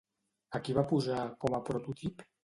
A qui va posar com a prototip?